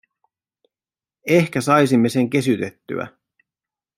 Ehkä saisimme sen kesytettyä.